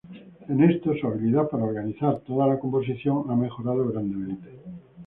En estos su habilidad para organizar toda la composición ha mejorado grandemente.